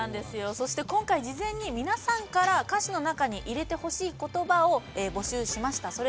そして、今回、事前に皆さんから歌詞の中に入れてほしいことばを募集しました。